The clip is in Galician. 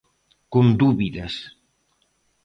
Con dúbidas.